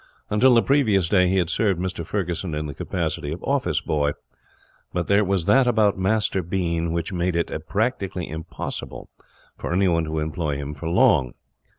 Until the previous day he had served Mr Ferguson in the capacity of office boy; but there was that about Master Bean which made it practically impossible for anyone to employ him for long.